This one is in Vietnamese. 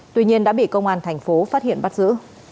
tuy nhiên đã bị công an thành phố phát hiện bắt giữ